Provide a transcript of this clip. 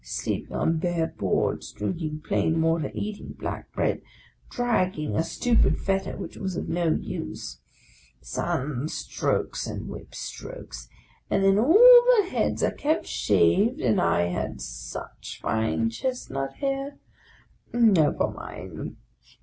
Sleeping on bare boards, drinking plain water, eating black bread, dragging a stupid fetter which was of no use; sun strokes and whip strokes: and then all the heads are kept shaved, and I had such fine chestnut hair! Never mind!